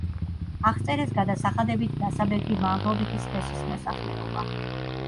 აღწერეს გადასახადებით დასაბეგრი მამრობითი სქესის მოსახლეობა.